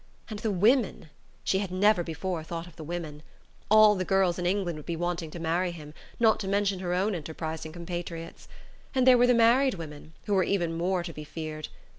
And the women! She had never before thought of the women. All the girls in England would be wanting to marry him, not to mention her own enterprising compatriots. And there were the married women, who were even more to be feared.